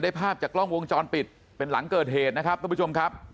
ภาพจากกล้องวงจรปิดเป็นหลังเกิดเหตุนะครับทุกผู้ชมครับ